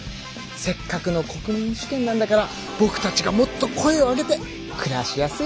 せっかくの国民主権なんだからぼくたちがもっと声を上げて暮らしやすい社会にしなくちゃね。